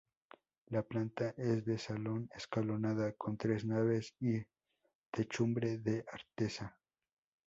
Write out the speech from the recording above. La planta es de salón escalonada, con tres naves y techumbre de artesa.